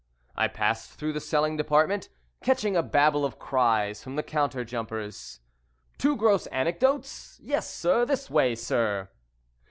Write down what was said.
I passed through the selling department, catching a babel of cries from the counter jumpers "Two gross anecdotes? Yes, sir; this way, sir.